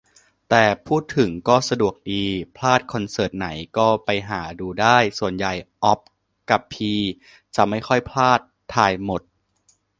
แต่พูดถึงก็สะดวกดี พลาดคอนเสิร์ตไหน ก็ไปหาดูได้ ส่วนใหญ่อ๊อบกะพีจะไม่ค่อยพลาด ถ่ายหมด